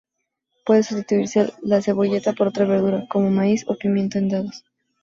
Puede sustituirse la cebolleta por otra verdura, como maíz o pimiento en dados.